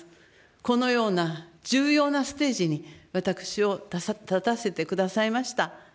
このような重要なステージに私を立たせてくださいました